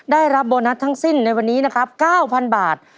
ได้รับโบนัสทั้งสิ้นในวันนี้นะครับ๙๐๐บาท